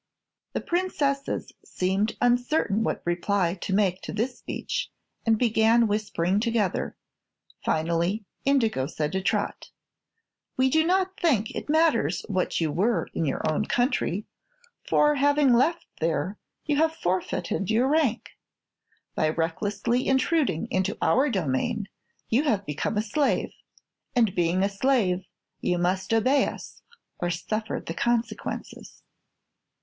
The Princesses seemed uncertain what reply to make to this speech and began whispering together. Finally Indigo said to Trot: "We do not think it matters what you were in your own country, for having left there you have forfeited your rank. By recklessly intruding into our domain you have become a slave, and being a slave you must obey us or suffer the consequences."